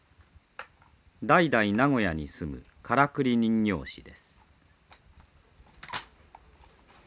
代々名古屋に住むからくり人形師です。